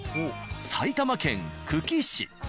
埼玉県久喜市。